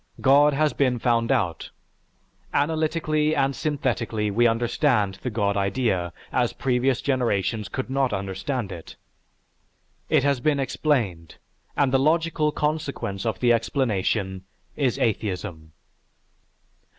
God has been found out; analytically and synthetically we understand the God idea as previous generations could not understand it. It has been explained, and the logical consequence of the explanation is Atheism."